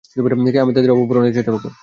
আমি তাদের অভাব পূরণের চেষ্টা করব।